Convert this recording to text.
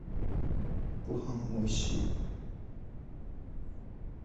ごはんおいしい。